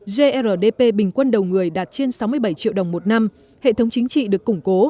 grdp bình quân đầu người đạt trên sáu mươi bảy triệu đồng một năm hệ thống chính trị được củng cố